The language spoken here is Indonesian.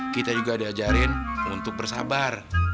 kita juga diajarin untuk bersabar